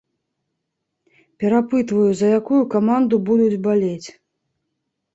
Перапытваю, за якую каманду будуць балець.